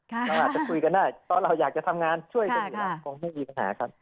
เราอาจจะคุยกันได้ตอนเราอยากจะทำงานช่วยกันดีกว่าคงไม่มีปัญหาครับ